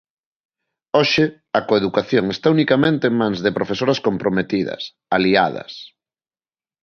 Hoxe, a coeducación está unicamente en mans de profesoras comprometidas, aliadas.